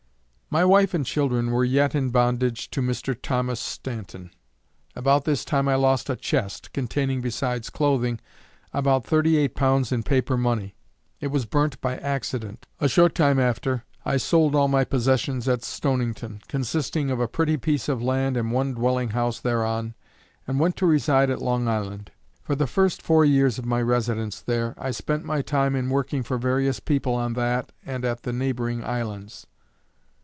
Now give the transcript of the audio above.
_ My wife and children were yet in bondage to Mr. Thomas Stanton. About this time I lost a chest, containing besides clothing, about thirty eight pounds in paper money. It was burnt by accident. A short time after I sold all my possessions at Stonington, consisting of a pretty piece of land and one dwelling house thereon, and went to reside at Long Island. For the first four years of my residence there, I spent my time in working for various people on that and at the neighboring islands.